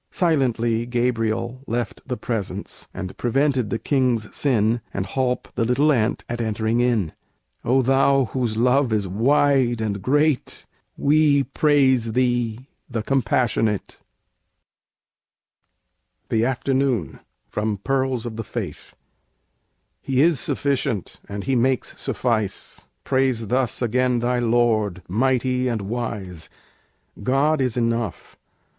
Silently Gabriel left The Presence, and prevented the king's sin, And holp the little ant at entering in. O Thou whose love is wide and great, We praise Thee, "The Compassionate" THE AFTERNOON From 'Pearls of the Faith' He is sufficient, and He makes suffice; Praise thus again thy Lord, mighty and wise. God is enough!